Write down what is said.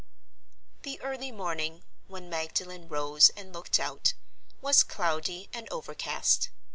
The early morning, when Magdalen rose and looked out, was cloudy and overcast.